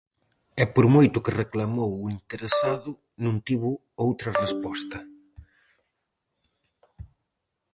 E por moito que reclamou o interesado non tivo outra resposta.